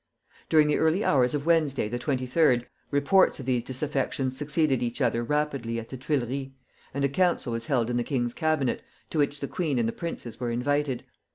During the early hours of Wednesday, the 23d, reports of these disaffections succeeded each other rapidly at the Tuileries, and a council was held in the king's cabinet, to which the queen and the princes were invited.